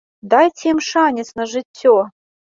Дайце ім шанец на жыццё!